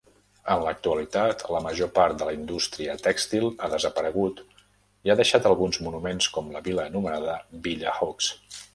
En l'actualitat la major part de la indústria tèxtil ha desaparegut i ha deixat alguns monuments com la vila anomenada Villa Haux.